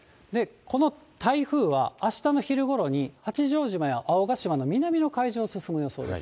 この台風は、あしたの昼ごろに、八丈島や青ヶ島の南の海上を進む予想です。